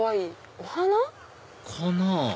お花？かなぁ？